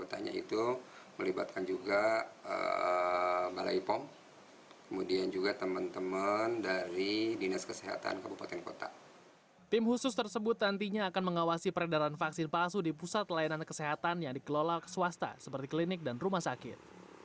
tim khusus tersebut nantinya akan mengawasi peredaran vaksin palsu di pusat layanan kesehatan yang dikelola swasta seperti klinik dan rumah sakit